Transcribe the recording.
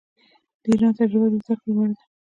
د ایران تجربه د زده کړې وړ ده.